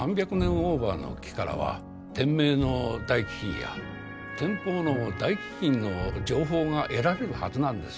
オーバーの木からは天明の大飢饉や天保の大飢饉の情報が得られるはずなんです。